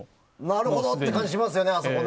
なるほど！っていう感じがしますよね。